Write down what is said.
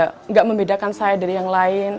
tidak membedakan saya dari yang lain